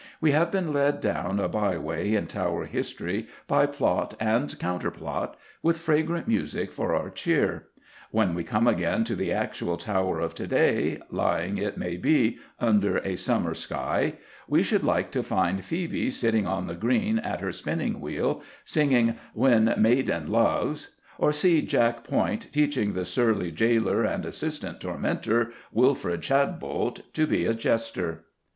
We have been led down a by way in Tower history by plot and counter plot, with fragrant music for our cheer. When we come again to the actual Tower of to day, lying, it may be, under a summer sky, we should like to find Phœbe sitting on the Green at her spinning wheel, singing "When maiden loves," or see Jack Point teaching the surly jailor and "assistant tormentor," Wilfred Shadbolt, to be a jester.